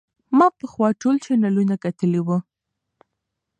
ما پخوا ټول چینلونه کتلي وو.